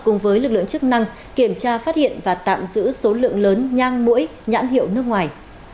cùng với lực lượng chức năng kiểm tra phát hiện và tạm giữ số lượng lớn nhang mũi nhãn hiệu nước ngoài